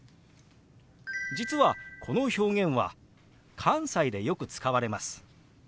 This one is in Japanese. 実はこの表現は関西でよく使われます。